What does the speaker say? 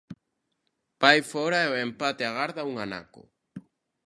Vai fóra e o empate agarda un anaco.